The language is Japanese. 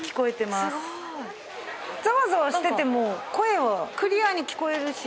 ザワザワしてても声はクリアに聞こえるし。